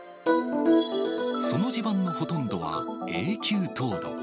その地盤のほとんどは永久凍土。